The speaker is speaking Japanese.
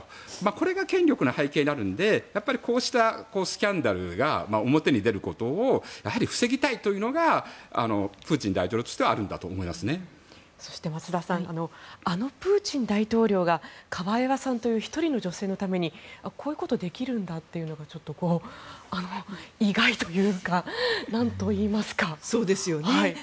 これが権力の背景にあるのでこうしたスキャンダルが表に出ることを防ぎたいというのがプーチン大統領としてはそして、増田さんあのプーチン大統領がカバエワさんという１人の女性のためにこういうことができるんだというのが意外というかそうですよね。